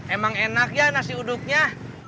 emang enak ya nasi uduknya